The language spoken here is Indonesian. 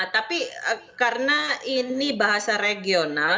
tapi karena ini bahasa regional